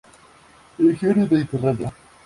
Regiones Mediterránea.